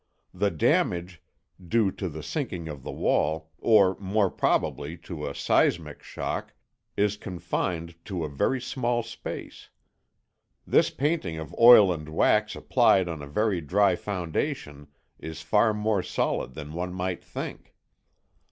The damage, due to the sinking of the wall, or more probably to a seismic shock, is confined to a very small space. This painting of oil and wax applied on a very dry foundation is far more solid than one might think.